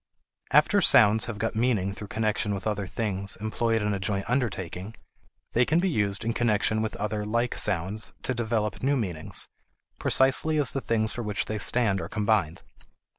After sounds have got meaning through connection with other things employed in a joint undertaking, they can be used in connection with other like sounds to develop new meanings, precisely as the things for which they stand are combined.